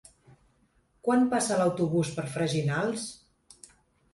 Quan passa l'autobús per Freginals?